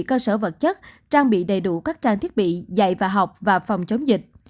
cơ sở vật chất trang bị đầy đủ các trang thiết bị dạy và học và phòng chống dịch